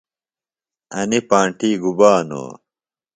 انیۡ پانٹیۡ گُبا نو؟